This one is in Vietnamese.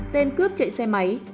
tên cướp chạy xe máy